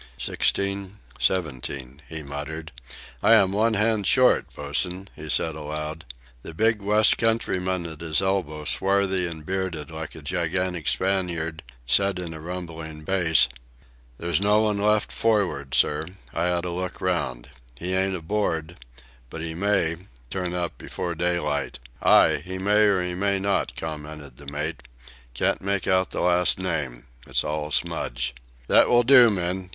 "Sixteen, seventeen," he muttered. "I am one hand short, bo'sen," he said aloud. The big west countryman at his elbow, swarthy and bearded like a gigantic Spaniard, said in a rumbling bass: "There's no one left forward, sir. I had a look round. He ain't aboard, but he may turn up before daylight." "Ay. He may or he may not," commented the mate, "can't make out that last name. It's all a smudge.... That will do, men.